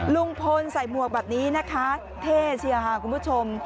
ลุงพลใส่หมวกแบบนี้นะคะเท่เชียค่ะคุณผู้ชม